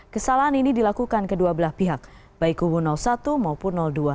kesalahan ini dilakukan kedua belah pihak baik kubu satu maupun dua